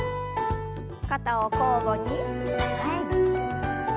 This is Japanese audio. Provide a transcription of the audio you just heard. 肩を交互に前に。